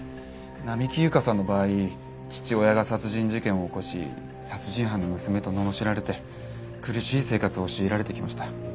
並木優香さんの場合父親が殺人事件を起こし殺人犯の娘とののしられて苦しい生活を強いられてきました。